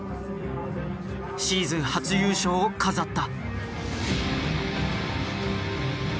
シーズン初優勝を飾った。